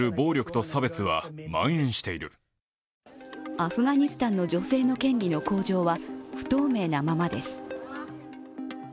アフガニスタンの女性の権利の向上は不透明なままです。